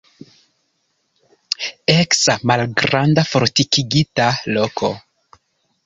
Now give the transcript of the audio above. Eksa malgranda fortikigita loko.